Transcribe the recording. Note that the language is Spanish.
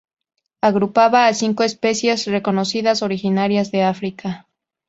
Agrupaba a cinco especies reconocidas, originarias de África.